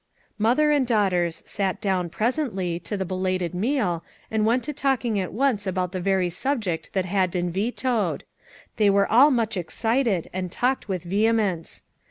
Mother and daughters sat down, presently, to the belated meal, and went to talking at once about the very subject that had been vetoed. They were all much excited and talked with vehemence.